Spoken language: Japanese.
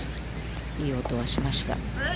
いい音がしました。